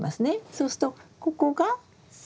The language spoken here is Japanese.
そうするとここが３段目。